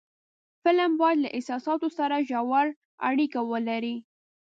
فلم باید له احساساتو سره ژور اړیکه ولري